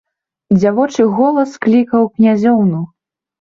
Дзявочы голас клікаў князёўну.